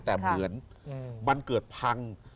แต่เหมือนมันเกิดพัง